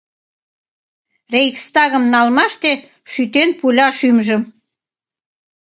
Рейхстагым налмаште шӱтен пуля шӱмжым.